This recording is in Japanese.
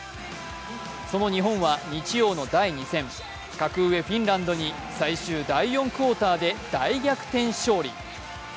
その日本は日曜の第２戦、格上フィンランドに最終第４クオーターで大逆転勝利。